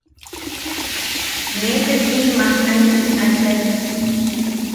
Ne tekilmaj- tane in achai.